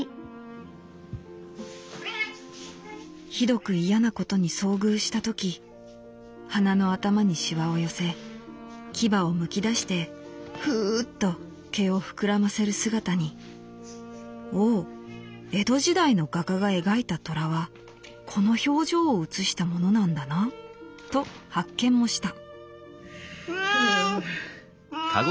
「ひどく嫌なことに遭遇した時鼻の頭に皺を寄せ牙を剥き出してフウッと毛を膨らませる姿に『おお江戸時代の画家が描いた虎はこの表情を写したものなんだな』と発見もした」。